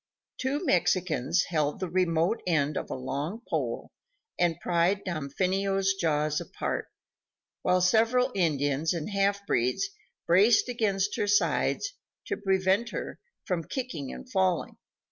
Two Mexicans held the remote end of a long pole and pried Damfino's jaws apart, while several Indians and halfbreeds braced against her sides to prevent her from kicking and falling.